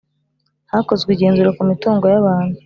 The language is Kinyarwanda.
hakozwe igenzura ku mitungo y’abantu